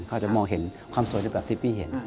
เขาอาจจะมองเห็นความสวยที่แบบที่พี่เห็น